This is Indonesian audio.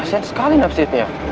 kasihan sekali nafisitnya